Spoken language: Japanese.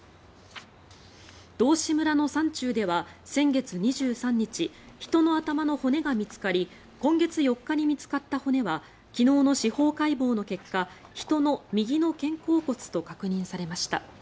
道志村の山中では先月２３日人の頭の骨が見つかり今月４日に見つかった骨は昨日の司法解剖の結果人の右の肩甲骨と確認されました。